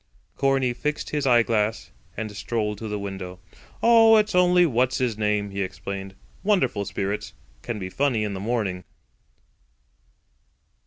Corney fixed his eyeglass and strolled to the window. "Oh, it's only What's his name," he explained. "Wonderful spirits. Can be funny in the morning."